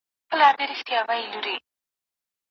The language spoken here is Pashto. هغه اوسمهال د خپل کار له پاره لېوالتیا ښيي.